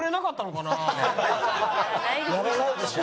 やらないでしょ。